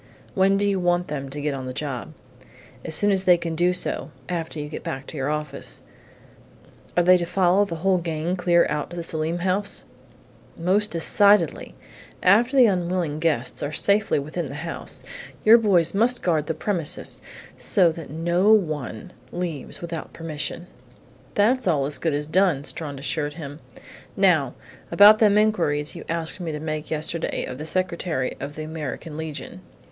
"When do you want them to get on the job?" "As soon as they can do so, after you get back to your office." "Are they to follow the whole gang clear out to the Selim house?" "Most decidedly! After the unwilling guests are safely within the house, your boys must guard the premises so that no one leaves without permission." "That's all as good as done," Strawn assured him. "Now about them inquiries you asked me to make yesterday of the secretary of the American Legion."